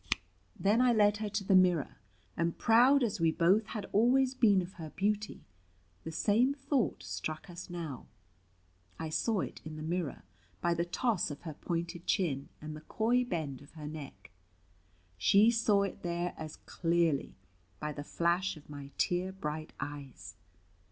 Then I led her to the mirror, and proud as we both had always been of her beauty, the same thought struck us now. I saw it in the mirror, by the toss of her pointed chin and the coy bend of her neck: she saw it there as clearly, by the flash of my tear bright eyes.